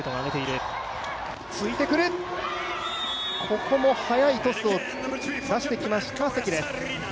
ここも速いトスを出してきました関です。